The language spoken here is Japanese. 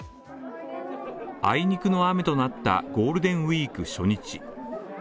あいにくの雨となったゴールデンウィーク初日。